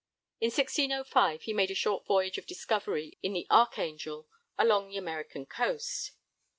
In 1605 he made a short voyage of discovery in the Archangel along the American coast.